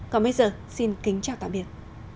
còn bây giờ xin kính chào tạm biệt